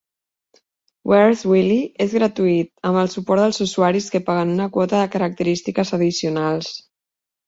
"Where's Willy" és gratuït, amb el suport dels usuaris que paguen una quota de característiques addicionals.